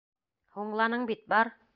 Һуңланың бит, бар!